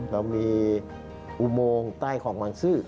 เรามีอุโมงใต้ของบางซื่อ